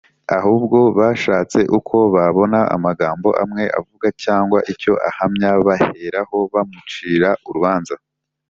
ahubwo bashatse uko babona amagambo amwe avuga cyangwa icyo ahamya baheraho bamucira urubanza